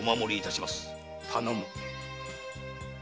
頼む。